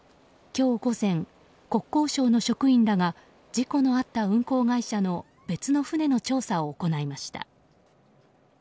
今日午前国交省の職員らが事故のあった運航会社の別の船の調査を行いました。